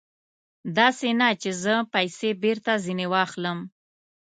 داسې نه چې زه پیسې بېرته ځنې واخلم.